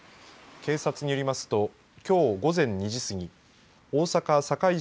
警察によりますときょう午前２時過ぎ大阪堺市